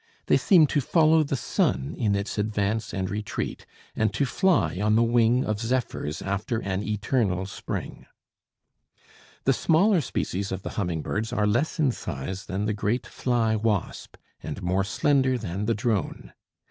They seem to follow the sun in its advance and retreat; and to fly on the wing of zephyrs after an eternal spring. The smaller species of the humming birds are less in size than the great fly wasp, and more slender than the drone.